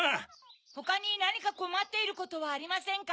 ほかになにかこまっていることはありませんか？